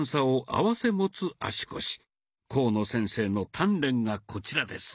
甲野先生の鍛錬がこちらです。